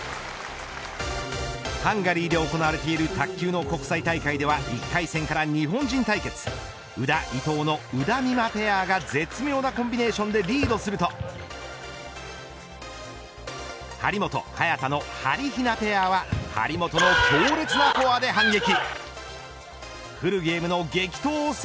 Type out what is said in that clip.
ハンガリーで行われている卓球の国際大会では１回戦から日本人対決宇田、伊藤のうだみまペアが絶妙なコンビネーションでリードすると張本、早田のはりひなペアは張本の強烈なフォアで反撃。